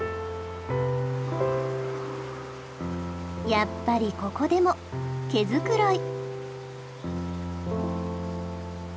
やっぱりここでも毛繕い。